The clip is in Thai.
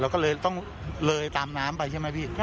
ก็เลยต้องเลยตามน้ำไปใช่ไหมพี่